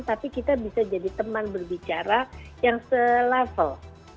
tapi kita bisa jadi teman berbicara yang se level